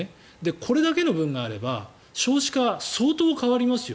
これだけの分があれば少子化は相当変わりますよ。